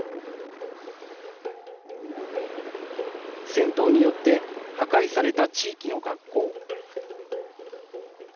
戦闘によって破壊された地域の学校。